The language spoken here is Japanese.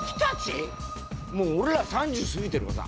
もう俺ら３０過ぎてるからさ